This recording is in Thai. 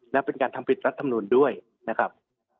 และเป็นการทำผิดรัฐมนุนด้วยนะครับ